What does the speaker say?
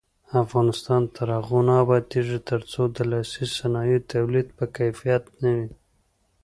افغانستان تر هغو نه ابادیږي، ترڅو د لاسي صنایعو تولید په کیفیت نه وي.